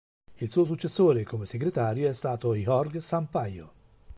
Il suo successore come segretario è stato Jorge Sampaio.